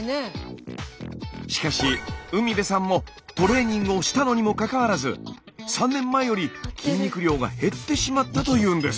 しかし海辺さんもトレーニングをしたのにもかかわらず３年前より筋肉量が減ってしまったというんです。